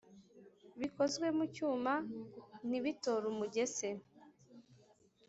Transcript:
bikozwe mu cyuma ntibitore umugese